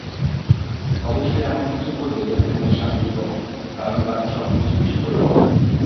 অবশ্যই এমনকিছু করবে যাতে মনে শান্তি পাও, কারণ বাকি সবকিছুই বিষফোড়া।